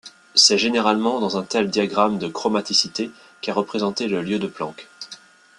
C'est généralement dans un tel diagramme de chromaticité qu'est représenté le lieu de Planck.